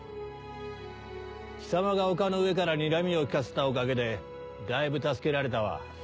貴様が丘の上からにらみを利かせたおかげでだいぶ助けられたわ。